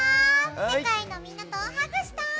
世界のみんなとハグしたい！